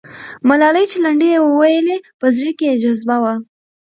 ملالۍ چې لنډۍ یې وویلې، په زړه کې یې جذبه وه.